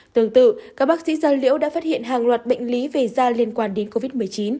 tương tự các bác sĩ da liễu đã phát hiện hàng loạt bệnh lý về da liên quan đến covid một mươi chín